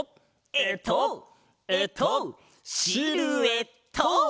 えっとえっとシルエット！